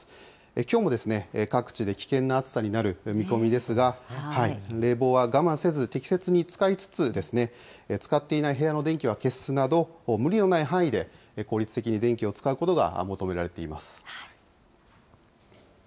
きょうも各地で危険な暑さになる見込みですが、冷房は我慢せず、適切に使いつつですね、使っていない部屋の電気は消すなど、無理のない範囲で効率的に電気を使うことが求められています。